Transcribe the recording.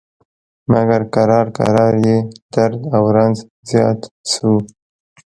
مګر کرار کرار یې درد او رنځ زیات شو.